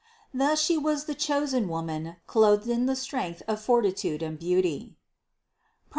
Thus She was the chosen Woman, clothed in the strength of fortitude and beauty (Prov.